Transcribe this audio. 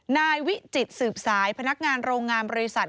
นายวิจิตสืบสายพนักงานโรงงานบริษัท